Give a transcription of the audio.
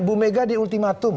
bu mega di ultimatum